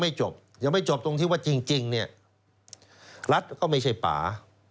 จบยังไม่จบตรงที่ว่าจริงเนี่ยรัฐก็ไม่ใช่ป่า